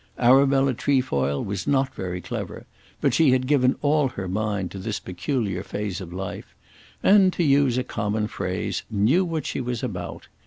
Arabella Trefoil was not very clever, but she had given all her mind to this peculiar phase of life, and, to use a common phrase, knew what she was about.